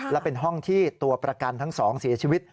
และเป็นห้องที่ตัวประกันทั้งสองเสียชีวิต